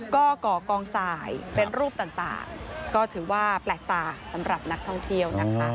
ก็ก่อกองสายเป็นรูปต่างก็ถือว่าแปลกตาสำหรับนักท่องเที่ยวนะคะ